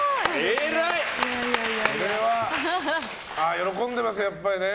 喜んでますよ、やっぱり。